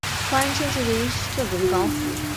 华人称其为色梗港府。